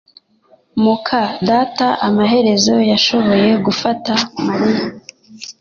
muka data amaherezo yashoboye gufata Mariya